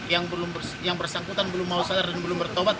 yang bersangkutan belum mau sadar dan belum bertobat